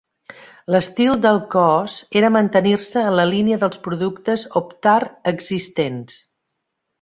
L'estil de el cos era mantenir-se en la línia dels productes Optare existents.